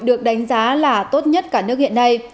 được đánh giá là tốt nhất cả nước hiện nay